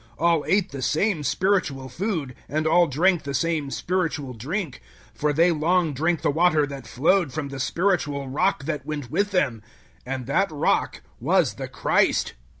010:003 All ate the same spiritual food, 010:004 and all drank the same spiritual drink; for they long drank the water that flowed from the spiritual rock that went with them and that rock was the Christ.